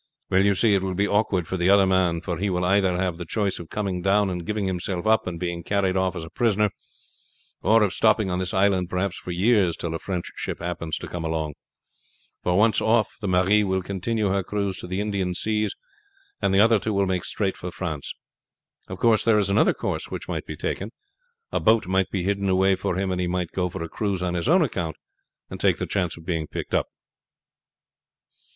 "Well, you see, it will be awkward for the other man, for he will either have the choice of coming down and giving himself up and being carried off as a prisoner, or of stopping on this island perhaps for years till a French ship happens to come along; for once off the Marie will continue her cruise to the Indian seas, and the other two will make straight for France. Of course there is another course which might be taken. A boat might be hidden away for him, and he might go for a cruise on his own account and take the chance of being picked up.